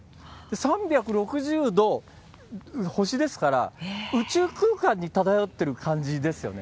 ３６０度星ですから、宇宙空間に漂ってる感じですよね。